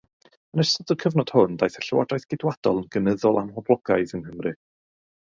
Yn ystod y cyfnod hwn, daeth y llywodraeth Geidwadol yn gynyddol amhoblogaidd yng Nghymru.